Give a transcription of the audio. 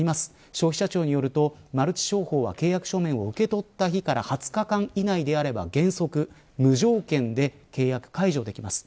消費者庁によると、マルチ商法は契約書面を受け取った日から２０日間以内であれば原則無条件で契約解除できます。